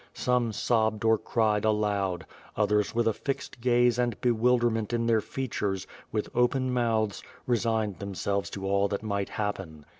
Some sobbed or cried aloud; others with a fixed gaze and bewilderment in their features, with open mouths, resigned themselves to all that might happen.